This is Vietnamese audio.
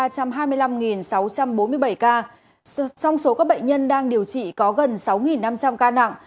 các bệnh nhân đang điều trị có gần sáu năm trăm linh ca nặng